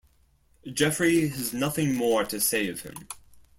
Geoffrey has nothing more to say of him.